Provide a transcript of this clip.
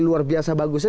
luar biasa bagusnya